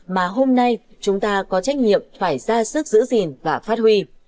mà hôm nay chúng ta có trách nhiệm phải ra sức giữ gìn và phát huy